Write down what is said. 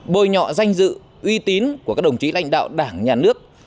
bồi nhọ danh dự uy tín của các đồng chí lãnh đạo đảng nhà nước